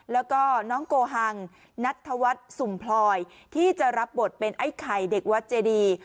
แล้วก็น้องโกหังนัทธวัฒน์สุ่มพลอยที่จะรับบทเป็นไอ้ไข่เด็กวัดเจดี